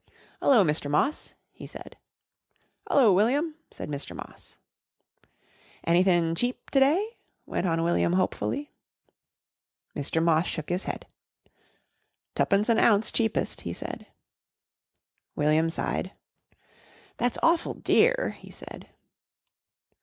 "'Ullo, Mr. Moss!" he said. "'Ullo, William!" said Mr. Moss. "Anythin' cheap to day?" went on William hopefully. Mr. Moss shook his head. "Twopence an ounce cheapest," he said. William sighed. "That's awful dear," he said.